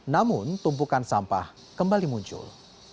namun tumpukan sampah kembali muncul